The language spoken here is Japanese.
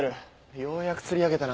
ようやく釣り上げたな。